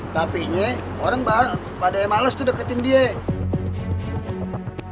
tapi ini orang malas deketin dia